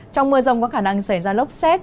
trong mưa rông có khả năng xảy ra lốc xét